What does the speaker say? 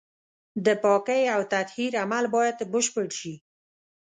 د پاکۍ او تطهير عمل بايد بشپړ شي.